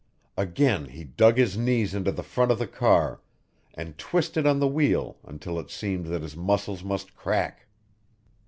Again he dug his knees into the front of the car and twisted on the wheel until it seemed that his muscles must crack.